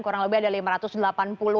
kurang lebih ada lima ratus delapan puluh orang